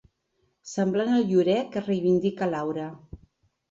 Semblant al llorer que reivindica Laura.